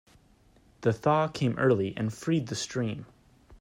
The thaw came early and freed the stream.